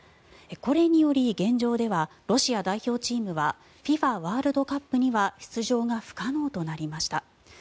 これにより現状ではロシア代表チームはＦＩＦＡワールドカップには出場が不可能となりました。